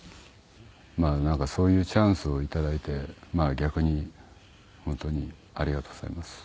まあなんかそういうチャンスをいただいて逆に本当にありがとうございます。